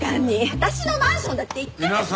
私のマンションだって言ってるでしょ！